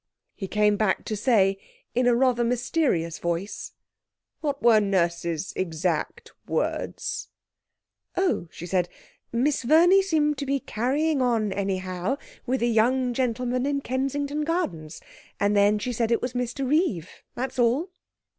He came back to say, in a rather mysterious voice 'What were Nurse's exact words?' 'Oh, she said, "Miss Verney seemed to be carrying on anyhow with a young gentleman in Kensington Gardens," and then she said it was Mr Reeve, that's all.'